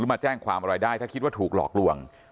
มาแจ้งความอะไรได้ถ้าคิดว่าถูกหลอกลวง